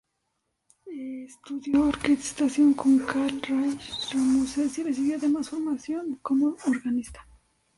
Estudió orquestación con Karl Aage Rasmussen y recibió además formación como organista.